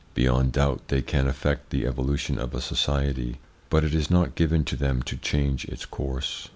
Beyond doubt they can affect the evolution of a society, but it is not given to them to change its course.